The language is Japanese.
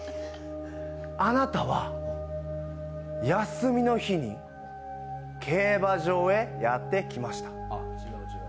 あなたは、休みの日に競馬場へやって来ました。